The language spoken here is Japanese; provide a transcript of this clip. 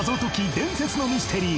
伝説のミステリー』